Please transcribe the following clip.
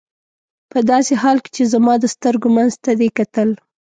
په داسې حال کې چې زما د سترګو منځ ته دې کتل.